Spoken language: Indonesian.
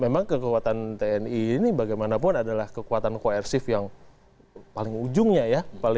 memang kekuatan tni ini bagaimanapun adalah kekuatan koersif yang paling ujungnya ya